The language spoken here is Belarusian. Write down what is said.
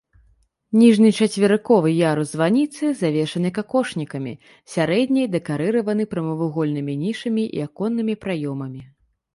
Ніжні чацверыковы ярус званіцы завершаны какошнікамі, сярэдні дэкарыраваны прамавугольнымі нішамі і аконнымі праёмамі.